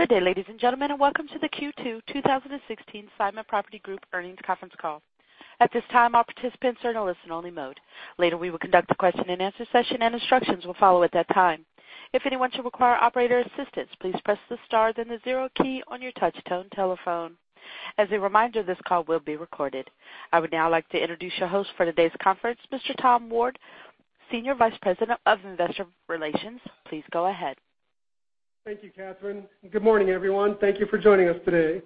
Good day, ladies and gentlemen, and welcome to the Q2 2016 Simon Property Group earnings conference call. At this time, all participants are in a listen-only mode. Later, we will conduct a question-and-answer session, and instructions will follow at that time. If anyone should require operator assistance, please press the star then the 0 key on your touch-tone telephone. As a reminder, this call will be recorded. I would now like to introduce your host for today's conference, Mr. Tom Ward, Senior Vice President of Investor Relations. Please go ahead. Thank you, Catherine. Good morning, everyone. Thank you for joining us today.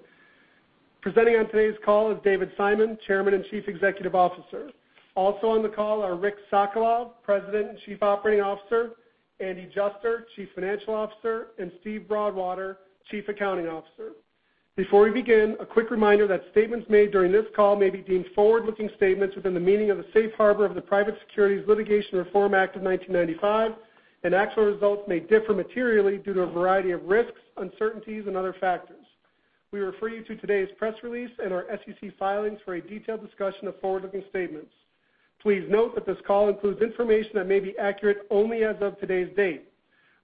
Presenting on today's call is David Simon, Chairman and Chief Executive Officer. Also on the call are Rick Sokolov, President and Chief Operating Officer, Andrew Juster, Chief Financial Officer, and Steven Broadwater, Chief Accounting Officer. Before we begin, a quick reminder that statements made during this call may be deemed forward-looking statements within the meaning of the Safe Harbor of the Private Securities Litigation Reform Act of 1995, and actual results may differ materially due to a variety of risks, uncertainties, and other factors. We refer you to today's press release and our SEC filings for a detailed discussion of forward-looking statements. Please note that this call includes information that may be accurate only as of today's date.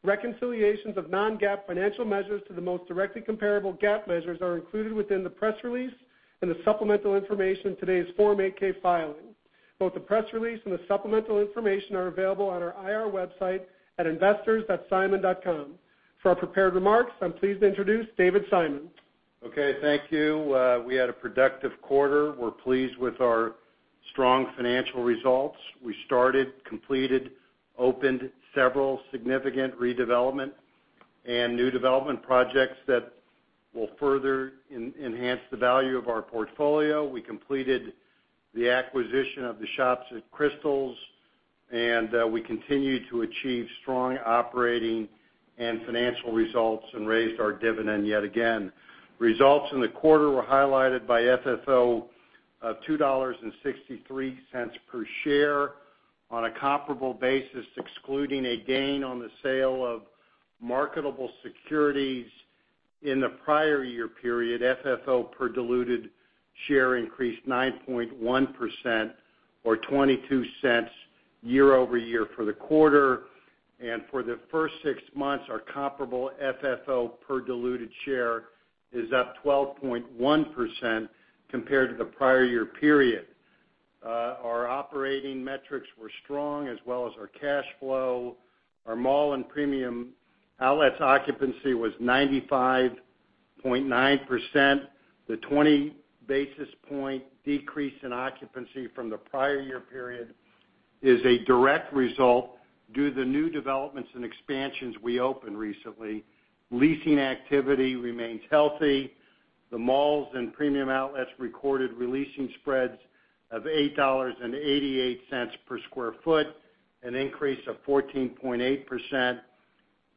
Reconciliations of non-GAAP financial measures to the most directly comparable GAAP measures are included within the press release and the supplemental information in today's Form 8-K filing. Both the press release and the supplemental information are available on our IR website at investors.simon.com. For our prepared remarks, I'm pleased to introduce David Simon. Okay. Thank you. We had a productive quarter. We're pleased with our strong financial results. We started, completed, opened several significant redevelopment and new development projects that will further enhance the value of our portfolio. We completed the acquisition of The Shops at Crystals, and we continued to achieve strong operating and financial results and raised our dividend yet again. Results in the quarter were highlighted by FFO of $2.63 per share. On a comparable basis, excluding a gain on the sale of marketable securities in the prior year period, FFO per diluted share increased 9.1% or $0.22 year-over-year for the quarter. And for the first six months, our comparable FFO per diluted share is up 12.1% compared to the prior year period. Our operating metrics were strong as well as our cash flow. Our mall and premium outlets occupancy was 95.9%. The 20 basis point decrease in occupancy from the prior year period is a direct result due to the new developments and expansions we opened recently. Leasing activity remains healthy. The malls and premium outlets recorded re-leasing spreads of $8.88 per square foot, an increase of 14.8%,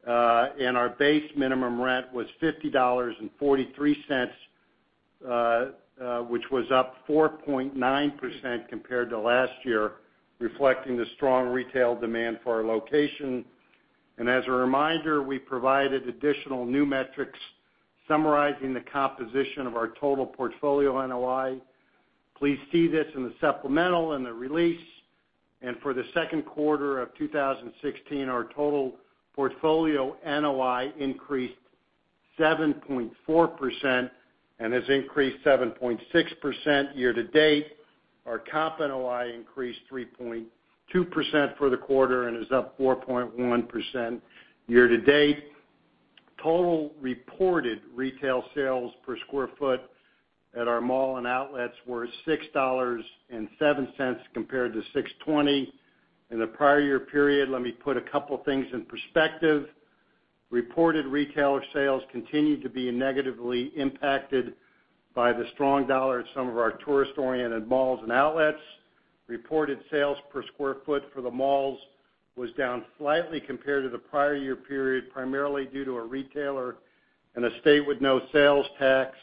and our base minimum rent was $50.43, which was up 4.9% compared to last year, reflecting the strong retail demand for our location. As a reminder, we provided additional new metrics summarizing the composition of our total portfolio NOI. Please see this in the supplemental in the release. For the Q2 2016, our total portfolio NOI increased 7.4% and has increased 7.6% year to date. Our comp NOI increased 3.2% for the quarter and is up 4.1% year to date. Total reported retail sales per square foot at our mall and outlets were $6.07 compared to $6.20 in the prior year period. Let me put a couple things in perspective. Reported retailer sales continued to be negatively impacted by the strong dollar at some of our tourist-oriented malls and outlets. Reported sales per square foot for the malls was down slightly compared to the prior year period, primarily due to a retailer in a state with no sales tax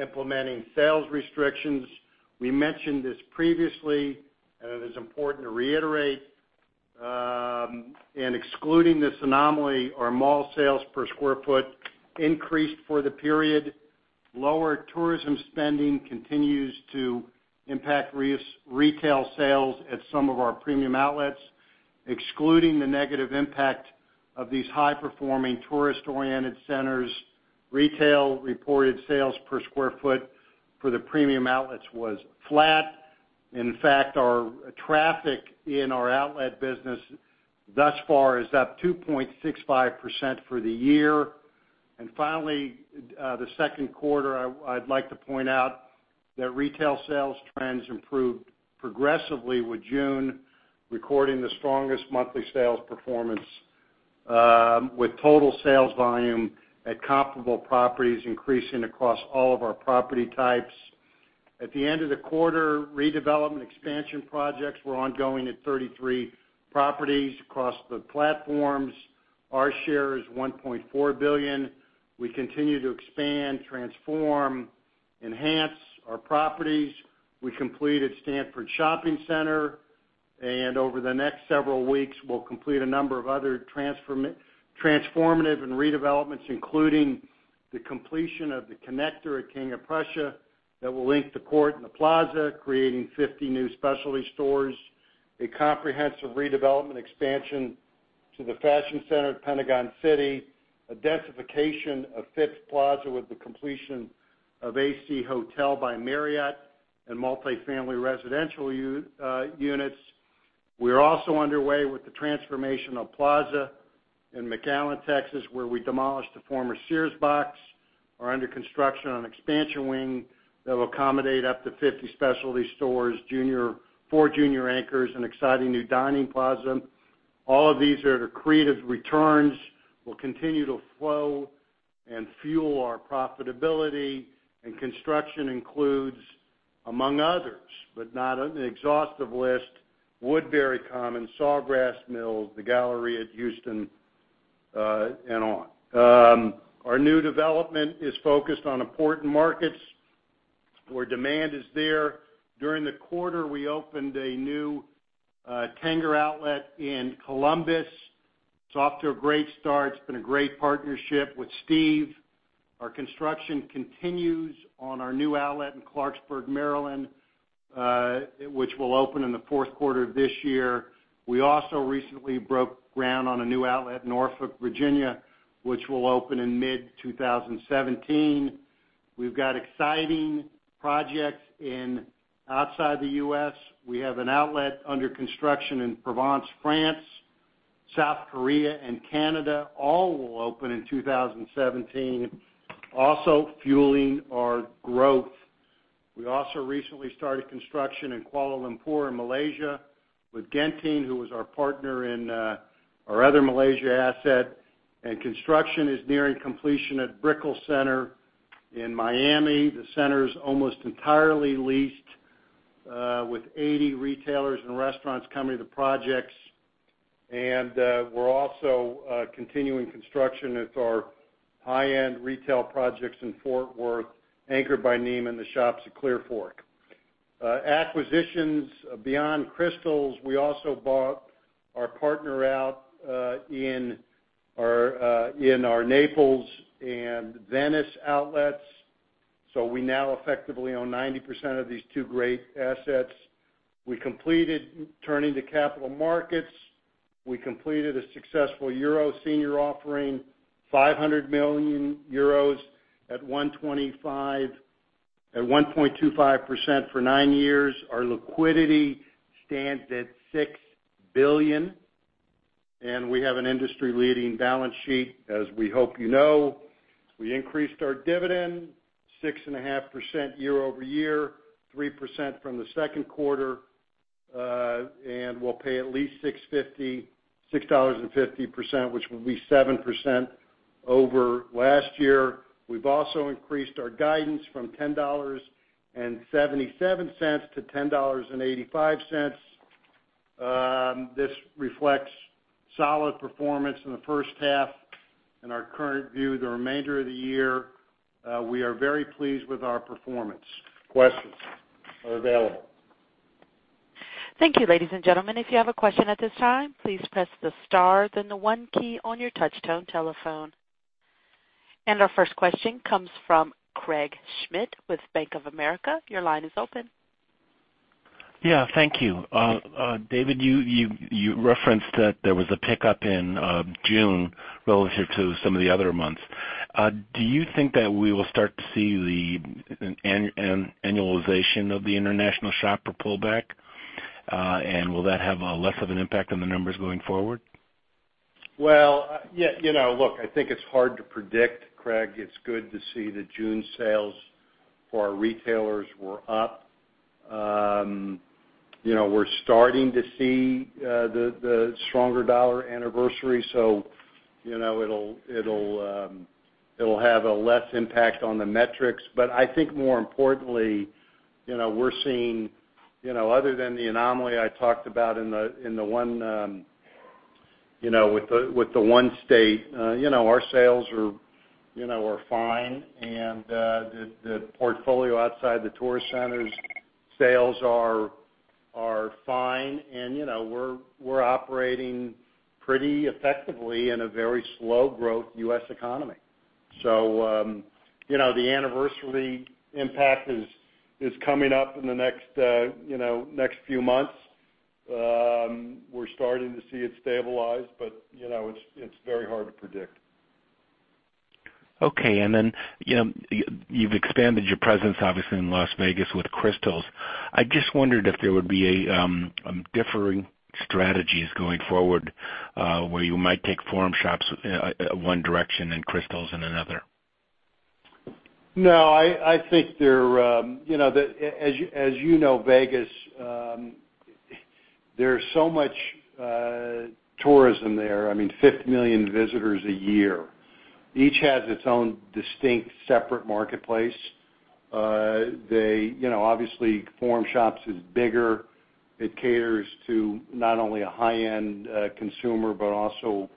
implementing sales restrictions. We mentioned this previously, it is important to reiterate. Excluding this anomaly, our mall sales per square foot increased for the period. Lower tourism spending continues to impact retail sales at some of our premium outlets. Excluding the negative impact of these high-performing tourist-oriented centers, retail reported sales per square foot for the premium outlets was flat. In fact, our traffic in our outlet business thus far is up 2.65% for the year. Finally, the second quarter, I'd like to point out that retail sales trends improved progressively, with June recording the strongest monthly sales performance, with total sales volume at comparable properties increasing across all of our property types. At the end of the quarter, redevelopment expansion projects were ongoing at 33 properties across the platforms. Our share is $1.4 billion. We continue to expand, transform, enhance our properties. We completed Stanford Shopping Center, and over the next several weeks, we'll complete a number of other transformative and redevelopments, including the completion of the connector at King of Prussia that will link the court and the plaza, creating 50 new specialty stores. A comprehensive redevelopment expansion to the fashion center at Pentagon City, a densification of Phipps Plaza with the completion of AC Hotel by Marriott, and multifamily residential units. We are also underway with the transformation of Plaza in McAllen, Texas, where we demolished the former Sears box. We are under construction on an expansion wing that will accommodate up to 50 specialty stores, four junior anchors, and an exciting new dining plaza. All of these are creative returns will continue to flow and fuel our profitability, construction includes, among others, but not an exhaustive list, Woodbury Common, Sawgrass Mills, The Galleria at Houston, and on. Our new development is focused on important markets where demand is there. During the quarter, we opened a new Tanger Outlets Columbus. It's off to a great start. It's been a great partnership with Steve. Our construction continues on our new outlet in Clarksburg, Maryland, which will open in the fourth quarter of this year. We also recently broke ground on a new outlet in Norfolk, Virginia, which will open in mid-2017. We've got exciting projects outside the U.S. We have an outlet under construction in Provence, France, South Korea, and Canada. All will open in 2017, also fueling our growth. We also recently started construction in Kuala Lumpur in Malaysia with Genting, who was our partner in our other Malaysia asset. Construction is nearing completion at Brickell City Centre in Miami. The center is almost entirely leased, with 80 retailers and restaurants coming to the projects. We're also continuing construction at our high-end retail projects in Fort Worth, anchored by Neiman and The Shops at Clearfork. Acquisitions. Beyond The Shops at Crystals, we also bought our partner out in our Naples and Venice outlets. We now effectively own 90% of these two great assets. Turning to capital markets, we completed a successful EUR senior offering, 500 million euros at 1.25% for nine years. Our liquidity stands at $6 billion, and we have an industry-leading balance sheet, as we hope you know. We increased our dividend, 6.5% year-over-year, 3% from the second quarter. We'll pay at least 6.50%, which will be 7% over last year. We've also increased our guidance from $10.77 to $10.85. This reflects solid performance in the first half and our current view the remainder of the year. We are very pleased with our performance. Questions are available. Thank you, ladies and gentlemen. If you have a question at this time, please press the star then the one key on your touch-tone telephone. Our first question comes from Craig Schmidt with Bank of America. Your line is open. Thank you. David, you referenced that there was a pickup in June relative to some of the other months. Do you think that we will start to see the annualization of the international shopper pullback? Will that have a less of an impact on the numbers going forward? It's hard to predict, Craig Schmidt. It's good to see the June sales for our retailers were up. We're starting to see the stronger dollar anniversary, so it'll have a less impact on the metrics. More importantly, we're seeing, other than the anomaly I talked about with the one state, our sales are fine, and the portfolio outside the tourist centers, sales are fine. We're operating pretty effectively in a very slow-growth U.S. economy. The anniversary impact is coming up in the next few months. We're starting to see it stabilize, but it's very hard to predict. You've expanded your presence, obviously, in Las Vegas with Crystals. I just wondered if there would be differing strategies going forward, where you might take Forum Shops one direction and Crystals in another? As you know, Vegas, there's so much tourism there. I mean, 50 million visitors a year. Each has its own distinct, separate marketplace. Obviously, Forum Shops is bigger. It caters to not only a high-end consumer but also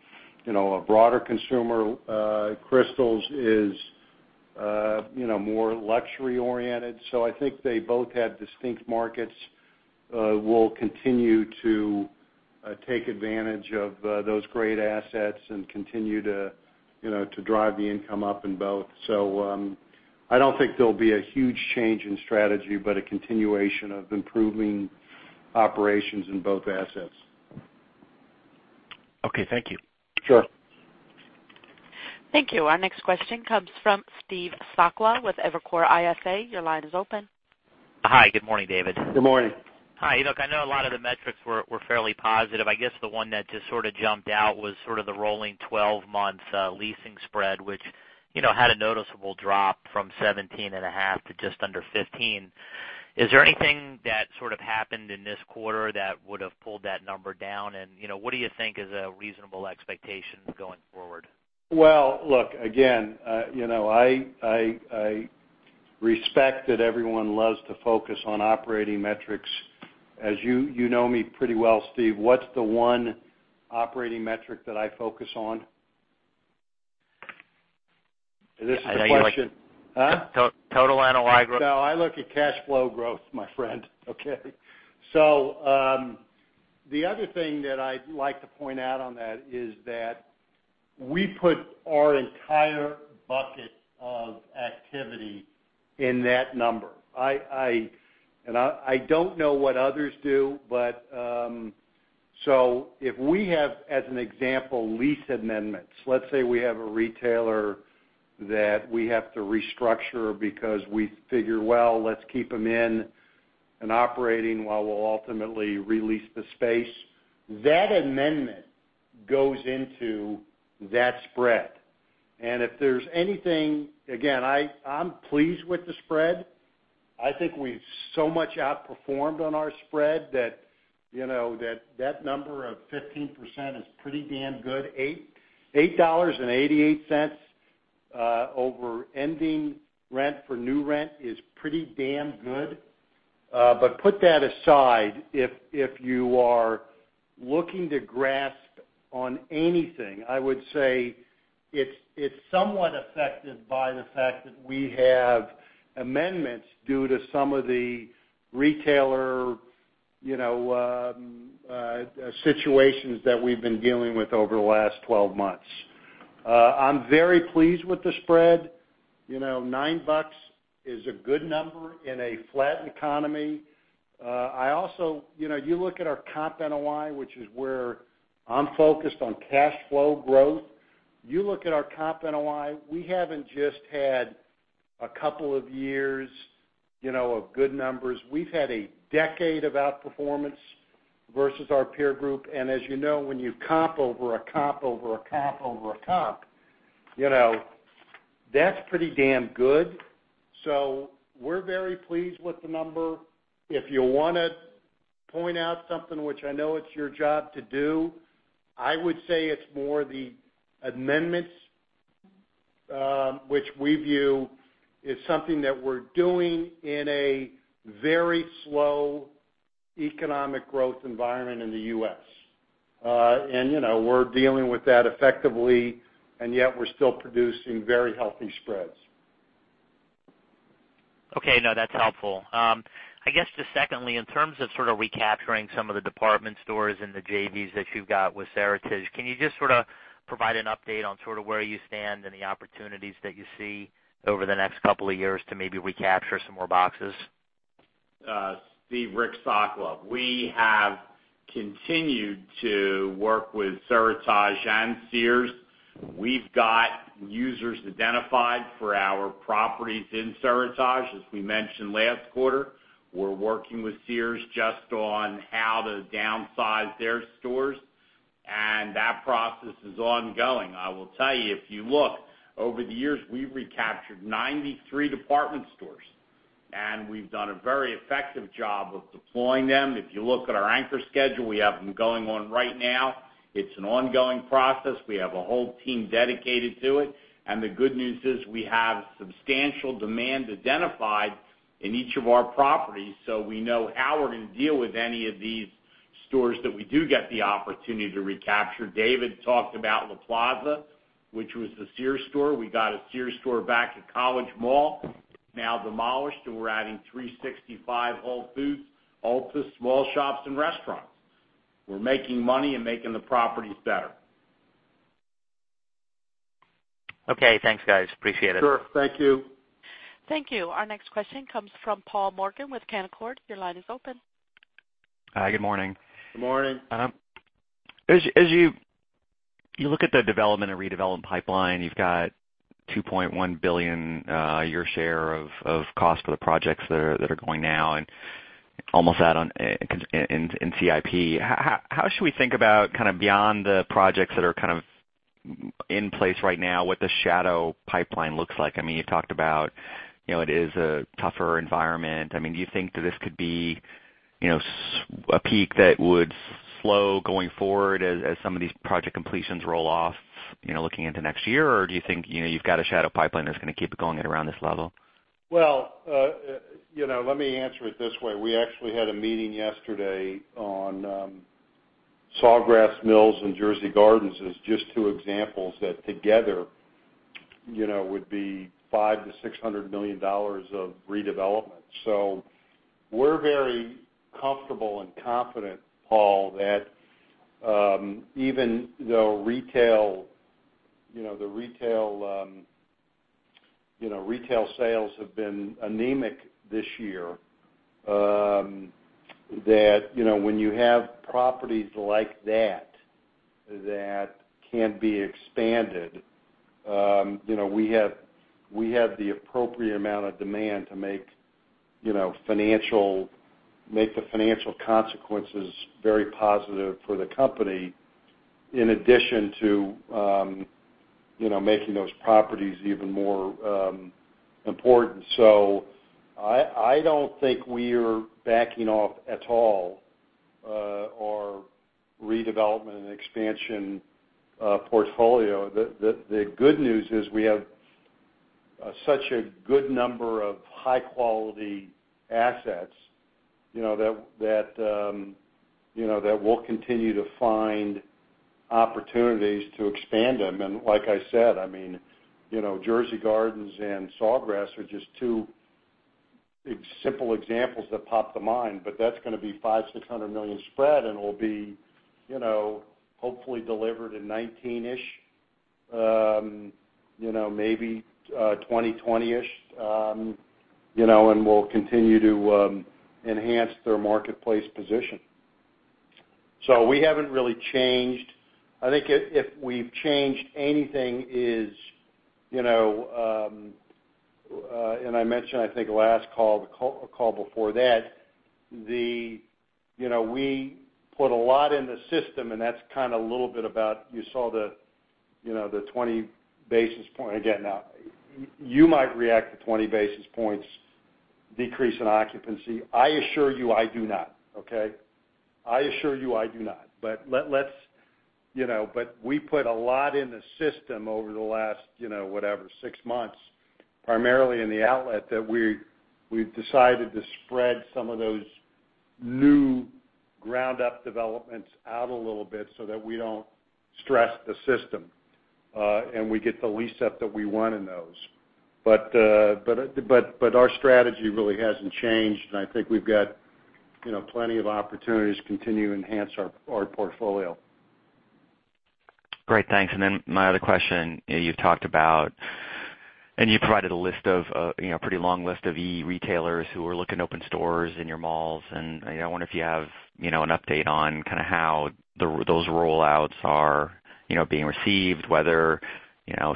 a broader consumer. Crystals is more luxury-oriented. They both have distinct markets. We'll continue to take advantage of those great assets and continue to drive the income up in both. I don't think there'll be a huge change in strategy, but a continuation of improving operations in both assets. Thank you. Sure. Thank you. Our next question comes from Steve Sakwa with Evercore ISI. Your line is open. Hi, good morning, David. Good morning. Hi. Look, I know a lot of the metrics were fairly positive. I guess the one that just sort of jumped out was sort of the rolling 12 months leasing spread, which had a noticeable drop from 17.5% to just under 15%. Is there anything that sort of happened in this quarter that would have pulled that number down? What do you think is a reasonable expectation going forward? Well, look, again, I respect that everyone loves to focus on operating metrics. As you know me pretty well, Steve, what's the one operating metric that I focus on? Is this the question? I know you like- Huh? Total NOI growth. No, I look at cash flow growth, my friend. Okay? The other thing that I'd like to point out on that is that we put our entire bucket of activity in that number. I don't know what others do, but, so if we have, as an example, lease amendments. Let's say we have a retailer that we have to restructure because we figure, well, let's keep them in and operating while we'll ultimately re-lease the space. That amendment goes into that spread. If there's anything, again, I'm pleased with the spread. I think we've so much outperformed on our spread that number of 15% is pretty damn good. $8.88 over ending rent for new rent is pretty damn good. Put that aside. If you are looking to grasp on anything, I would say it's somewhat affected by the fact that we have amendments due to some of the retailer situations that we've been dealing with over the last 12 months. I'm very pleased with the spread. Nine dollars is a good number in a flat economy. You look at our comp NOI, which is where I'm focused on cash flow growth. You look at our comp NOI, we haven't just had a couple of years of good numbers. We've had a decade of outperformance versus our peer group. As you know, when you comp over a comp, over a comp, over a comp, that's pretty damn good. We're very pleased with the number. If you want to point out something, which I know it's your job to do, I would say it's more the amendments, which we view is something that we're doing in a very slow economic growth environment in the U.S. We're dealing with that effectively, and yet we're still producing very healthy spreads. Okay. No, that's helpful. I guess just secondly, in terms of sort of recapturing some of the department stores and the JVs that you've got with Seritage, can you just sort of provide an update on sort of where you stand and the opportunities that you see over the next couple of years to maybe recapture some more boxes? Steve, Rick Sokolov. We have continued to work with Seritage and Sears. We've got users identified for our properties in Seritage, as we mentioned last quarter. We're working with Sears just on how to downsize their stores, and that process is ongoing. I will tell you, if you look over the years, we've recaptured 93 department stores, and we've done a very effective job of deploying them. If you look at our anchor schedule, we have them going on right now. It's an ongoing process. We have a whole team dedicated to it, and the good news is we have substantial demand identified in each of our properties. We know how we're going to deal with any of these stores that we do get the opportunity to recapture. David talked about La Plaza Mall, which was the Sears store. We got a Sears store back at College Mall, now demolished, and we're adding 365 Whole Foods, Ulta, small shops, and restaurants. We're making money and making the properties better. Okay, thanks, guys. Appreciate it. Sure. Thank you. Thank you. Our next question comes from Paul Morgan with Canaccord. Your line is open. Hi, good morning. Good morning. As you look at the development and redevelopment pipeline, you've got $2.1 billion, your share of cost for the projects that are going now and almost that in CIP. How should we think about kind of beyond the projects that are kind of in place right now, what the shadow pipeline looks like? I mean, you talked about, it is a tougher environment. I mean, do you think that this could be a peak that would slow going forward as some of these project completions roll off looking into next year? Or do you think you've got a shadow pipeline that's going to keep it going at around this level? Well, let me answer it this way. We actually had a meeting yesterday on Sawgrass Mills and Jersey Gardens as just two examples that together would be $500 million-$600 million of redevelopment. We're very comfortable and confident, Paul, that even though retail sales have been anemic this year, that when you have properties like that can be expanded, we have the appropriate amount of demand to make the financial consequences very positive for the company, in addition to making those properties even more important. I don't think we are backing off at all our redevelopment and expansion portfolio. The good news is we have such a good number of high-quality assets that we'll continue to find opportunities to expand them. Like I said, Jersey Gardens and Sawgrass are just two simple examples that pop to mind, but that's going to be $500 million-$600 million spread, and will be hopefully delivered in 2019-ish, maybe 2020-ish, and will continue to enhance their marketplace position. We haven't really changed. I think if we've changed anything is, and I mentioned, I think last call, the call before that, we put a lot in the system, and that's kind of a little bit about, you saw the 20 basis point. Again now, you might react to 20 basis points decrease in occupancy. I assure you I do not. Okay. I assure you I do not. We put a lot in the system over the last whatever, six months, primarily in the outlet that we've decided to spread some of those new ground-up developments out a little bit so that we don't stress the system. We get the lease up that we want in those. Our strategy really hasn't changed, and I think we've got plenty of opportunities to continue to enhance our portfolio. Great. Thanks. My other question, you've talked about, and you provided a pretty long list of e-retailers who are looking to open stores in your malls, and I wonder if you have an update on kind of how those roll-outs are being received, whether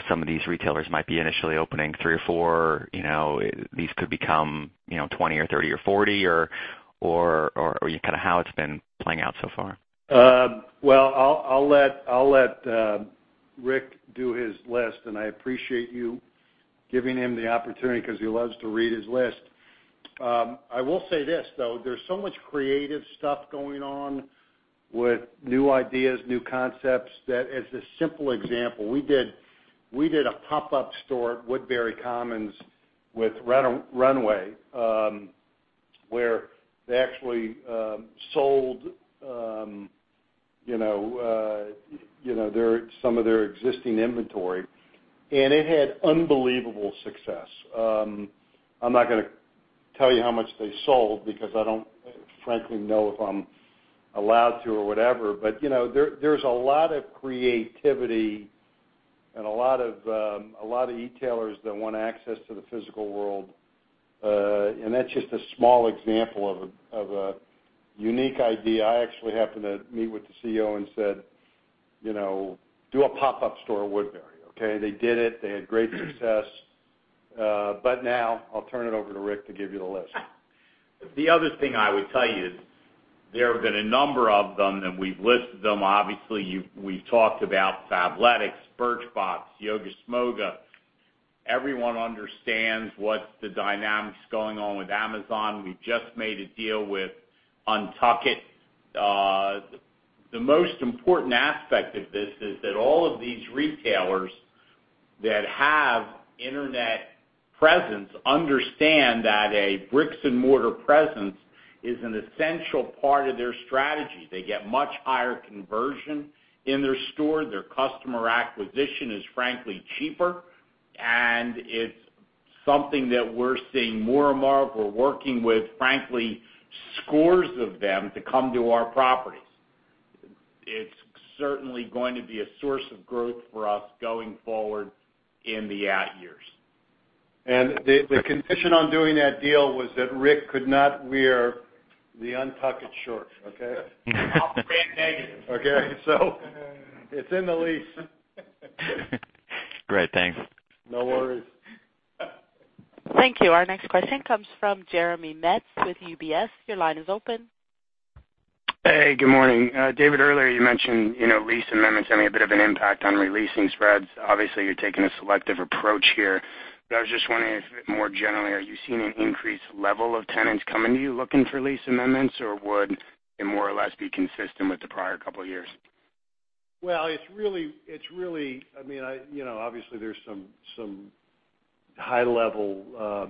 some of these retailers might be initially opening three or four. These could become 20 or 30 or 40, or kind of how it's been playing out so far. I'll let Rick do his list, and I appreciate you giving him the opportunity because he loves to read his list. I will say this, though, there's so much creative stuff going on with new ideas, new concepts, that as a simple example, we did a pop-up store at Woodbury Commons with Rent the Runway, where they actually sold some of their existing inventory, and it had unbelievable success. I'm not going to tell you how much they sold because I don't frankly know if I'm allowed to or whatever. There's a lot of creativity and a lot of e-tailers that want access to the physical world, and that's just a small example of a unique idea. I actually happened to meet with the CEO and said, "Do a pop-up store at Woodbury." Okay. They did it. They had great success. Now I'll turn it over to Rick to give you the list. The other thing I would tell you is there have been a number of them, and we've listed them. Obviously, we've talked about Fabletics, Birchbox, Yogasmoga. Everyone understands what's the dynamics going on with Amazon. We just made a deal with UNTUCKit. The most important aspect of this is that all of these retailers that have internet presence understand that a bricks and mortar presence is an essential part of their strategy. They get much higher conversion in their store. Their customer acquisition is frankly cheaper, and it's something that we're seeing more and more of. We're working with, frankly, scores of them to come to our properties. It's certainly going to be a source of growth for us going forward in the out-years. The condition on doing that deal was that Rick could not wear the UNTUCKit shorts. Okay? Brand negative. Okay? It's in the lease. Great. Thanks. No worries. Thank you. Our next question comes from Jeremy Metz with UBS. Your line is open. Hey, good morning. David, earlier you mentioned lease amendments having a bit of an impact on releasing spreads. Obviously, you're taking a selective approach here. I was just wondering if, more generally, are you seeing an increased level of tenants coming to you looking for lease amendments, or would it more or less be consistent with the prior couple of years? Well, obviously, there's some High level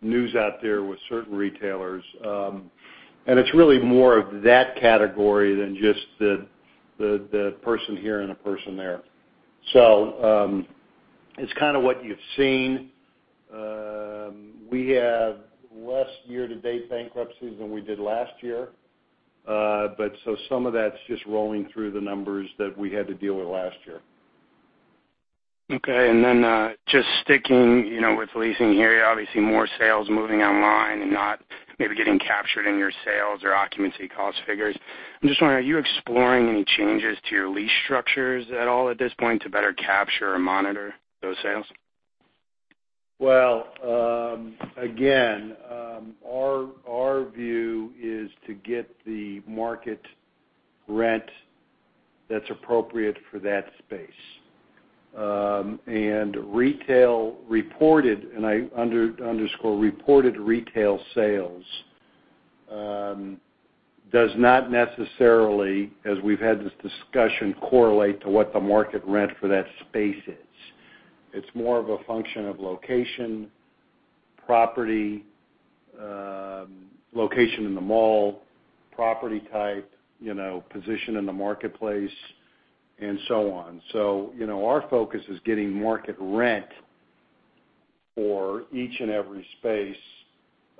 news out there with certain retailers. It's really more of that category than just the person here and a person there. It's kind of what you've seen. We have less year-to-date bankruptcies than we did last year. Some of that's just rolling through the numbers that we had to deal with last year. Okay. Just sticking with leasing here, obviously more sales moving online and not maybe getting captured in your sales or occupancy cost figures. I'm just wondering, are you exploring any changes to your lease structures at all at this point to better capture or monitor those sales? Well, again, our view is to get the market rent that's appropriate for that space. Retail reported, and I underscore reported retail sales, does not necessarily, as we've had this discussion, correlate to what the market rent for that space is. It's more of a function of location, property, location in the mall, property type, position in the marketplace, and so on. Our focus is getting market rent for each and every space,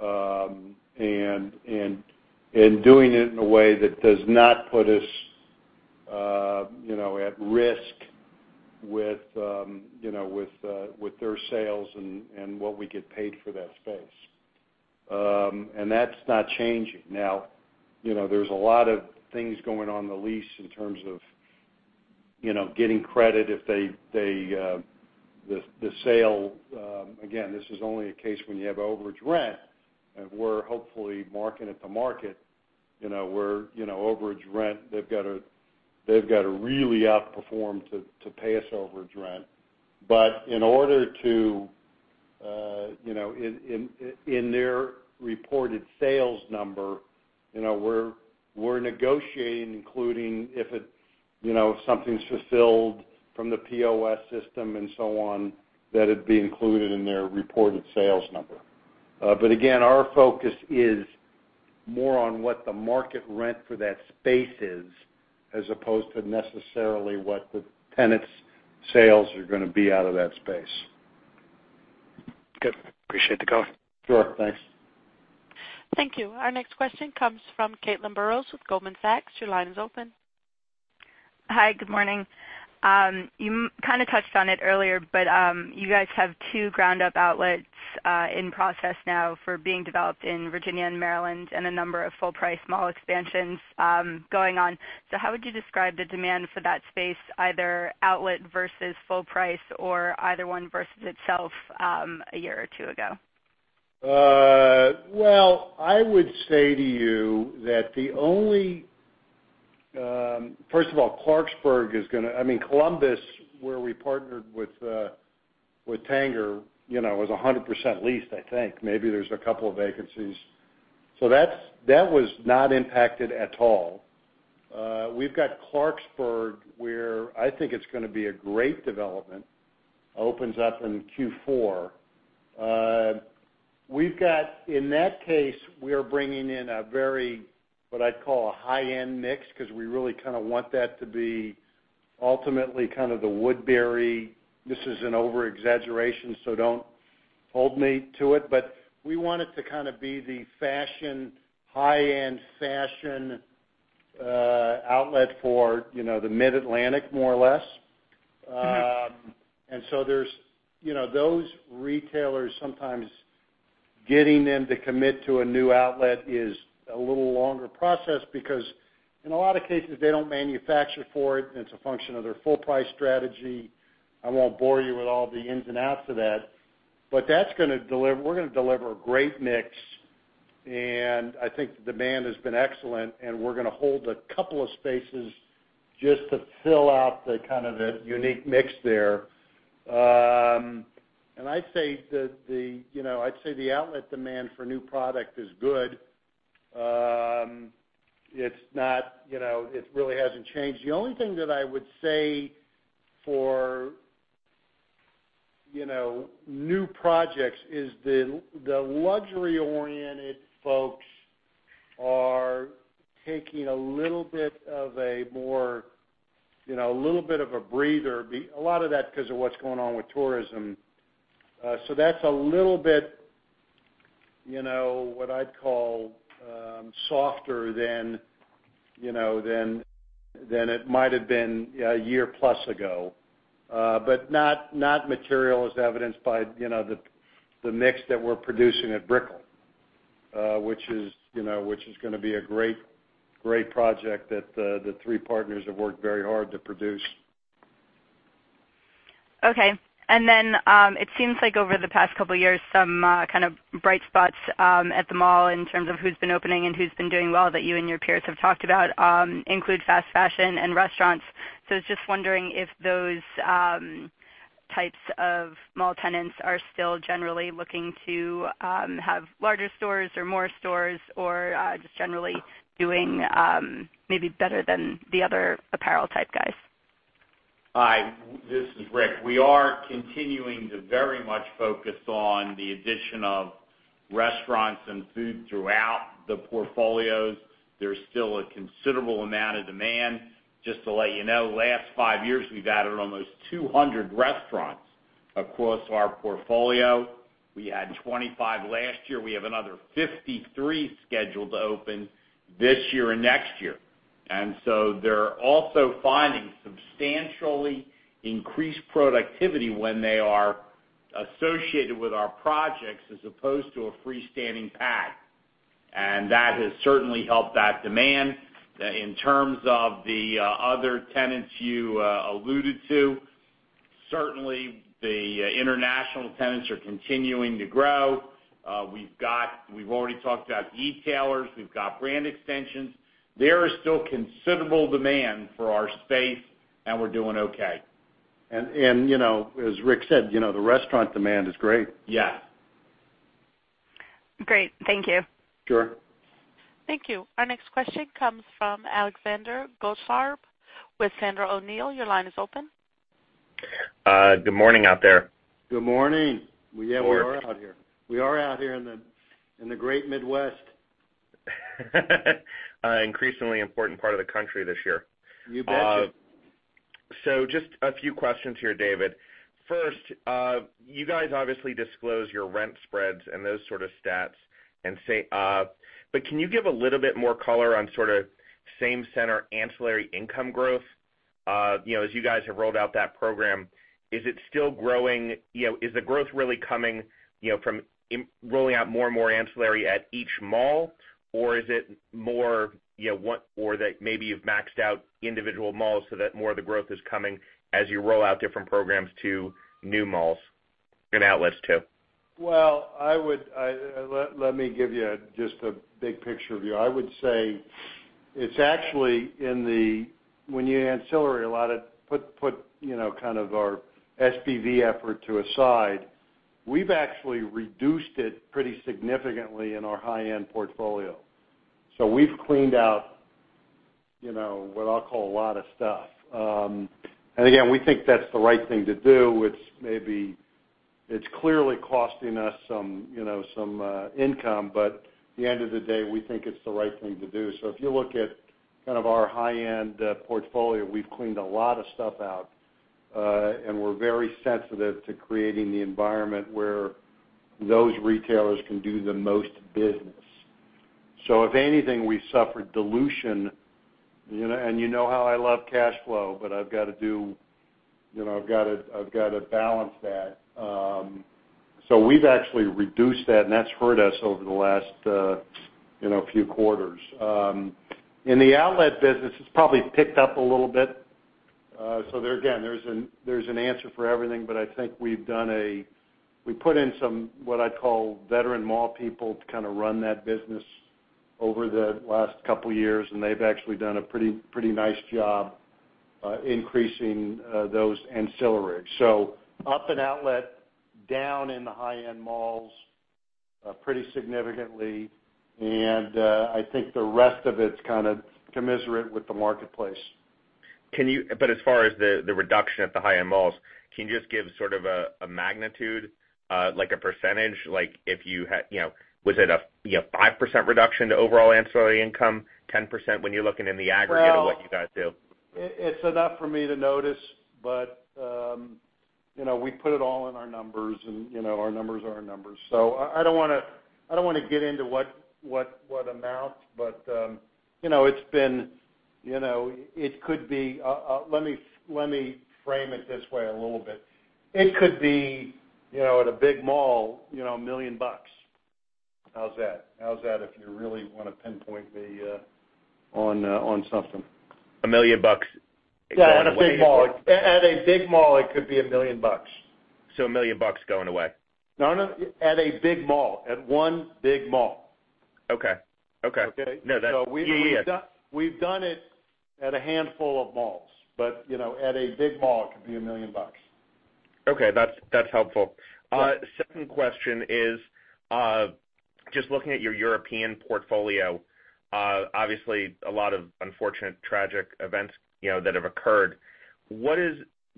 and doing it in a way that does not put us at risk with their sales and what we get paid for that space. That's not changing. There's a lot of things going on in the lease in terms of getting credit if the sale. Again, this is only a case when you have overage rent, and we're hopefully marking at the market, where overage rent, they've got to really outperform to pay us overage rent. In their reported sales number, we're negotiating, including if something's fulfilled from the POS system and so on, that it be included in their reported sales number. Again, our focus is more on what the market rent for that space is as opposed to necessarily what the tenant's sales are going to be out of that space. Good. Appreciate the call. Sure. Thanks. Thank you. Our next question comes from Caitlin Burrows with Goldman Sachs. Your line is open. Hi, good morning. You kind of touched on it earlier, you guys have two ground-up outlets in process now for being developed in Virginia and Maryland and a number of full-price mall expansions going on. How would you describe the demand for that space, either outlet versus full price or either one versus itself, a year or two ago? Well, I would say to you that Columbus, where we partnered with Tanger, was 100% leased, I think. Maybe there's a couple of vacancies. That was not impacted at all. We've got Clarksburg, where I think it's going to be a great development, opens up in Q4. In that case, we are bringing in a very, what I'd call a high-end mix, because we really kind of want that to be ultimately kind of the Woodbury. This is an over-exaggeration, don't hold me to it, we want it to kind of be the high-end fashion outlet for the Mid-Atlantic, more or less. Those retailers, sometimes getting them to commit to a new outlet is a little longer process because in a lot of cases, they don't manufacture for it, and it's a function of their full price strategy. I won't bore you with all the ins and outs of that. We're going to deliver a great mix, and I think the demand has been excellent, and we're going to hold a couple of spaces just to fill out the kind of the unique mix there. I'd say the outlet demand for new product is good. It really hasn't changed. The only thing that I would say for new projects is the luxury-oriented folks are taking a little bit of a breather, a lot of that because of what's going on with tourism. That's a little bit, what I'd call softer than it might have been a year plus ago. Not material, as evidenced by the mix that we're producing at Brickell, which is going to be a great project that the three partners have worked very hard to produce. Okay. It seems like over the past couple of years, some kind of bright spots at the mall in terms of who's been opening and who's been doing well that you and your peers have talked about, include fast fashion and restaurants. I was just wondering if those types of mall tenants are still generally looking to have larger stores or more stores or just generally doing maybe better than the other apparel type guys. Hi, this is Rick. We are continuing to very much focus on the addition of restaurants and food throughout the portfolios. There's still a considerable amount of demand. Just to let you know, last five years, we've added almost 200 restaurants across our portfolio. We had 25 last year. We have another 53 scheduled to open this year and next year. They're also finding substantially increased productivity when they are associated with our projects as opposed to a free-standing pad. That has certainly helped that demand. In terms of the other tenants you alluded to, certainly the international tenants are continuing to grow. We've already talked about e-tailers. We've got brand extensions. There is still considerable demand for our space, and we're doing okay. As Rick said, the restaurant demand is great. Yeah. Great. Thank you. Sure. Thank you. Our next question comes from Alexander Goldfarb with Sandler O'Neill. Your line is open. Good morning out there. Good morning. Yeah, we are out here. We are out here in the great Midwest. Increasingly important part of the country this year. You betcha. Just a few questions here, David. First, you guys obviously disclose your rent spreads and those sort of stats and say, can you give a little bit more color on same center ancillary income growth? As you guys have rolled out that program, is it still growing? Is the growth really coming from rolling out more and more ancillary at each mall? Or is it more that maybe you've maxed out individual malls so that more of the growth is coming as you roll out different programs to new malls and outlets too? Let me give you just a big picture view. I would say it's actually in the, when you ancillary a lot, put kind of our SPV effort to a side, we've actually reduced it pretty significantly in our high-end portfolio. We've cleaned out what I'll call a lot of stuff. Again, we think that's the right thing to do. It's clearly costing us some income, but at the end of the day, we think it's the right thing to do. If you look at kind of our high-end portfolio, we've cleaned a lot of stuff out. We're very sensitive to creating the environment where those retailers can do the most business. If anything, we suffered dilution, and you know how I love cash flow, but I've got to balance that. We've actually reduced that, and that's hurt us over the last few quarters. In the outlet business, it's probably picked up a little bit. There again, there's an answer for everything, but I think we've put in some what I'd call veteran mall people to kind of run that business over the last couple of years, and they've actually done a pretty nice job increasing those ancillaries. Up in outlet, down in the high-end malls pretty significantly, I think the rest of it's kind of commensurate with the marketplace. As far as the reduction at the high-end malls, can you just give sort of a magnitude, like a percentage? Was it a 5% reduction to overall ancillary income, 10% when you're looking in the aggregate of what you guys do? It's enough for me to notice, but we put it all in our numbers, and our numbers are our numbers. I don't want to get into what amount, but let me frame it this way a little bit. It could be, at a big mall, $1 million. How's that if you really want to pinpoint me on something. $1 million. Yeah, at a big mall, it could be $1 million. A $1 million going away. No, at a big mall. At one big mall. Okay. Okay? No, yeah. We've done it at a handful of malls, at a big mall, it could be a $1 million. Okay. That's helpful. Yeah. Second question is, just looking at your European portfolio, obviously a lot of unfortunate, tragic events that have occurred. What has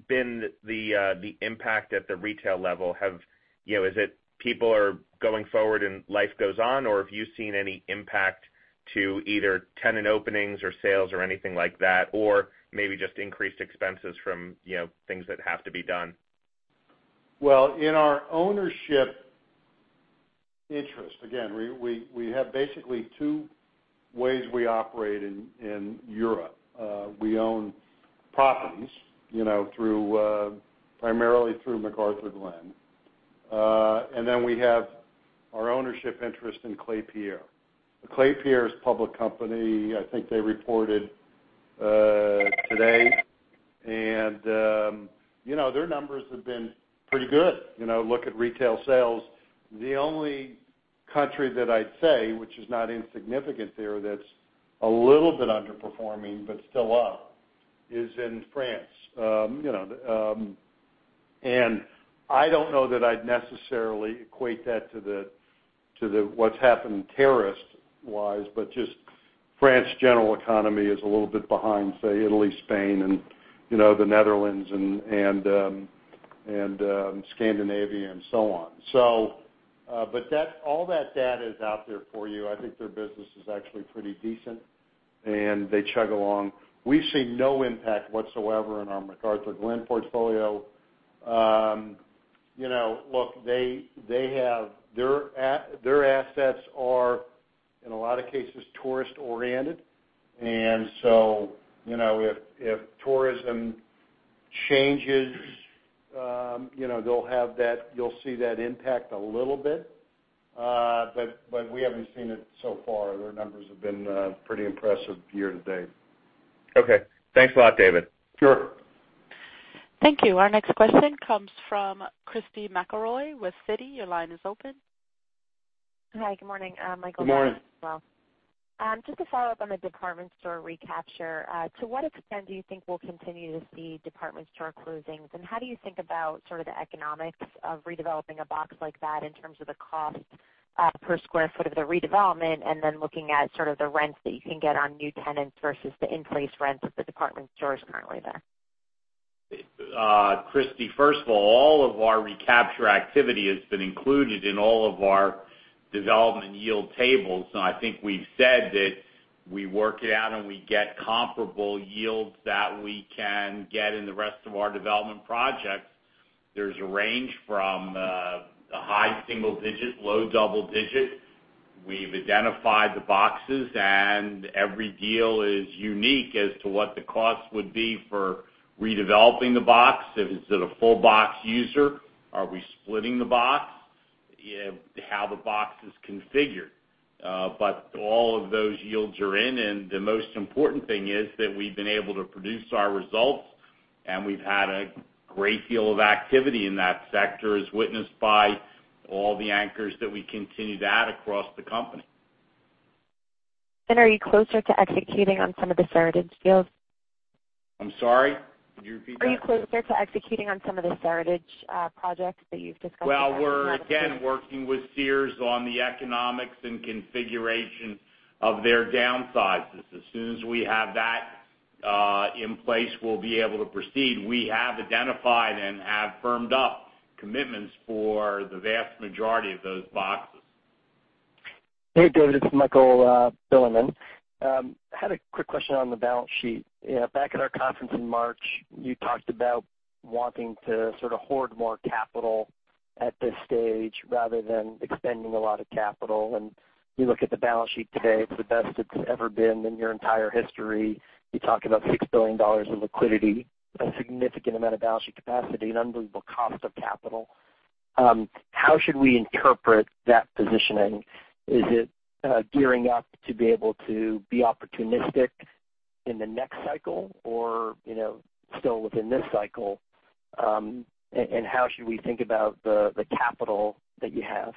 been the impact at the retail level? Is it people are going forward and life goes on, or have you seen any impact to either tenant openings or sales or anything like that? Or maybe just increased expenses from things that have to be done. In our ownership interest, again, we have basically two ways we operate in Europe. We own properties primarily through McArthurGlen. We have our ownership interest in Klépierre. Klépierre is a public company. I think they reported today. Their numbers have been pretty good. Look at retail sales. The only country that I'd say, which is not insignificant there, that's a little bit underperforming but still up, is in France. I don't know that I'd necessarily equate that to what's happened terrorist-wise. Just France's general economy is a little bit behind, say, Italy, Spain and the Netherlands and Scandinavia, and so on. All that data is out there for you. I think their business is actually pretty decent. They chug along. We've seen no impact whatsoever in our McArthurGlen portfolio. Look, their assets are, in a lot of cases, tourist-oriented. If tourism changes, you'll see that impact a little bit. We haven't seen it so far. Their numbers have been pretty impressive year to date. Okay. Thanks a lot, David. Sure. Thank you. Our next question comes from Christy McElroy with Citi. Your line is open. Hi, good morning, Michael and Rick as well. Good morning. Just to follow up on the department store recapture. To what extent do you think we'll continue to see department store closings? How do you think about sort of the economics of redeveloping a box like that in terms of the cost per square foot of the redevelopment and then looking at sort of the rents that you can get on new tenants versus the in-place rents of the department stores currently there? Christy, first of all of our recapture activity has been included in all of our development yield tables. I think we've said that we work it out, we get comparable yields that we can get in the rest of our development projects. There's a range from the high single digit, low double digit. We've identified the boxes, every deal is unique as to what the cost would be for redeveloping the box. Is it a full box user? Are we splitting the box? How the box is configured. All of those yields are in, the most important thing is that we've been able to produce our results, we've had a great deal of activity in that sector, as witnessed by all the anchors that we continue to add across the company. Are you closer to executing on some of the Seritage deals? I'm sorry. Could you repeat that? Are you closer to executing on some of the Seritage projects that you've discussed in the past? Well, we're again, working with Sears on the economics and configuration of their downsizes. As soon as we have that in place, we'll be able to proceed. We have identified and have firmed up commitments for the vast majority of those boxes. Hey, David, it's Michael Bilerman. I had a quick question on the balance sheet. Back at our conference in March, you talked about wanting to sort of hoard more capital at this stage rather than expending a lot of capital. You look at the balance sheet today, it's the best it's ever been in your entire history. You talk about $6 billion of liquidity, a significant amount of balance sheet capacity, an unbelievable cost of capital. How should we interpret that positioning? Is it gearing up to be able to be opportunistic in the next cycle or still within this cycle? How should we think about the capital that you have?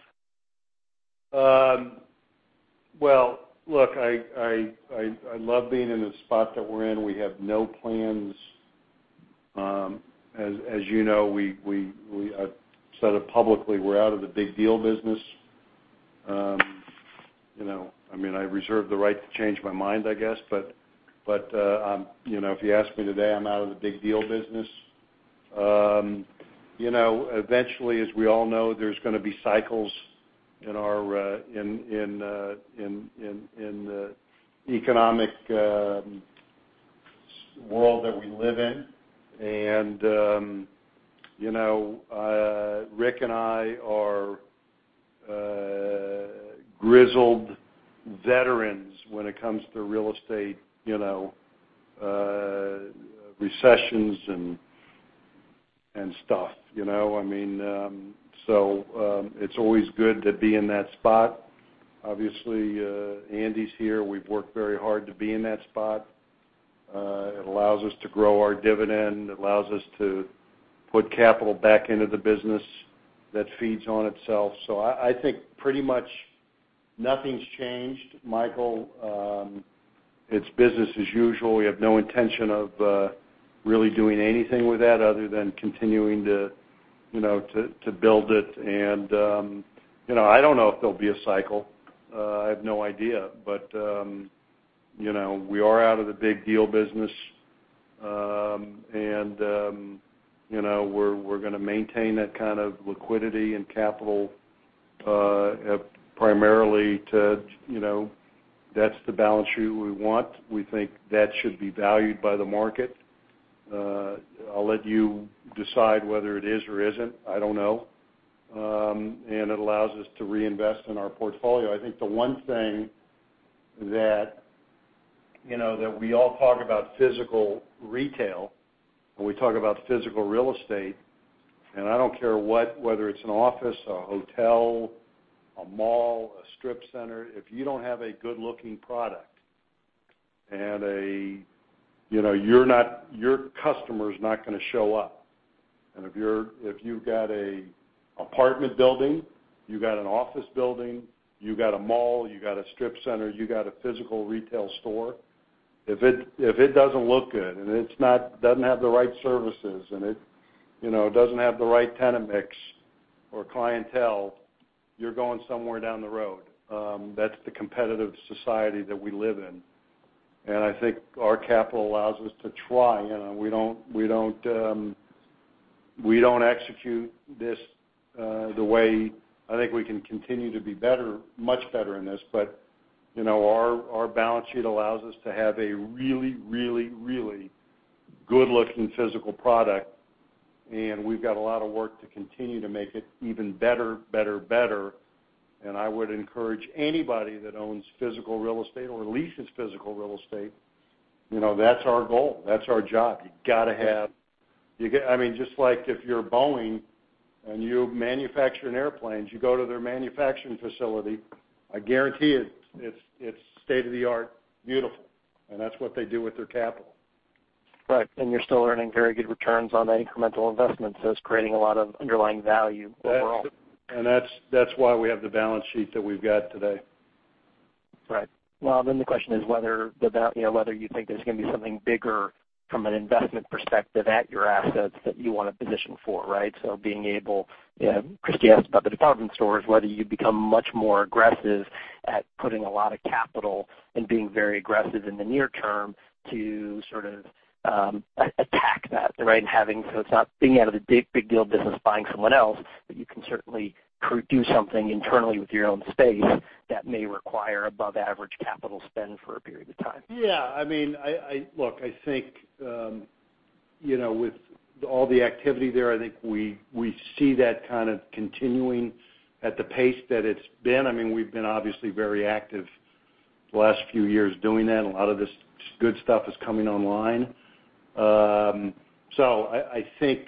Well, look, I love being in the spot that we're in. We have no plans. As you know, I've said it publicly, we're out of the big deal business. I reserve the right to change my mind, I guess, but if you ask me today, I'm out of the big deal business. Eventually, as we all know, there's going to be cycles in the economic world that we live in. Rick and I are grizzled veterans when it comes to real estate recessions and stuff. It's always good to be in that spot. Obviously, Andy's here. We've worked very hard to be in that spot. It allows us to grow our dividend. It allows us to put capital back into the business that feeds on itself. I think pretty much nothing's changed, Michael. It's business as usual. We have no intention of really doing anything with that other than continuing to build it. I don't know if there'll be a cycle. I have no idea. We are out of the big deal business. We're going to maintain that kind of liquidity and capital. That's the balance sheet we want. We think that should be valued by the market. I'll let you decide whether it is or isn't. I don't know. It allows us to reinvest in our portfolio. I think the one thing that we all talk about physical retail, and we talk about physical real estate, and I don't care whether it's an office, a hotel, a mall, a strip center. If you don't have a good-looking product, your customer's not going to show up. If you've got an apartment building, you've got an office building, you've got a mall, you've got a strip center, you've got a physical retail store If it doesn't look good and it doesn't have the right services, and it doesn't have the right tenant mix or clientele, you're going somewhere down the road. That's the competitive society that we live in. I think our capital allows us to try. We don't execute this the way I think we can continue to be much better in this. Our balance sheet allows us to have a really good-looking physical product, and we've got a lot of work to continue to make it even better. I would encourage anybody that owns physical real estate or leases physical real estate, that's our goal. That's our job. Just like if you're Boeing and you manufacture airplanes, you go to their manufacturing facility, I guarantee it's state-of-the-art, beautiful, and that's what they do with their capital. Right. You're still earning very good returns on that incremental investment, it's creating a lot of underlying value overall. That's why we have the balance sheet that we've got today. Right. Well, the question is whether you think there's going to be something bigger from an investment perspective at your assets that you want to position for, right? Being able, Christy asked about the department stores, whether you become much more aggressive at putting a lot of capital and being very aggressive in the near term to sort of attack that, right? It's not thinking out of the big deal business buying someone else, but you can certainly do something internally with your own space that may require above average capital spend for a period of time. Yeah. Look, I think with all the activity there, I think we see that kind of continuing at the pace that it's been. We've been obviously very active the last few years doing that, and a lot of this good stuff is coming online. I think,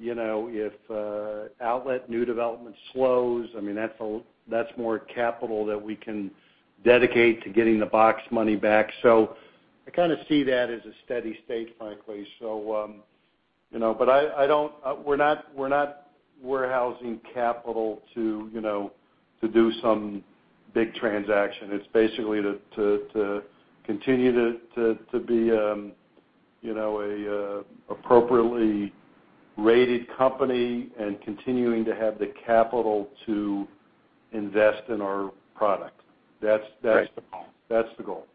if outlet new development slows, that's more capital that we can dedicate to getting the box money back. I kind of see that as a steady state, frankly. We're not warehousing capital to do some big transaction. It's basically to continue to be a appropriately rated company and continuing to have the capital to invest in our product. Right. That's the goal.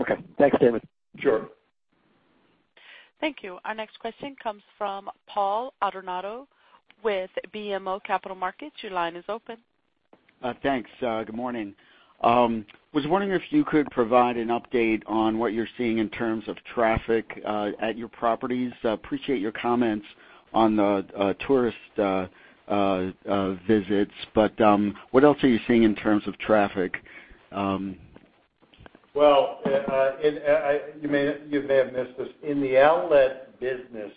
Okay. Thanks, David. Sure. Thank you. Our next question comes from Paul Adornato with BMO Capital Markets. Your line is open. Thanks. Good morning. I was wondering if you could provide an update on what you're seeing in terms of traffic at your properties. I appreciate your comments on the tourist visits, what else are you seeing in terms of traffic? Well, you may have missed this. In the outlet business,